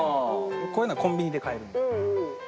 こういうのはコンビニで買える。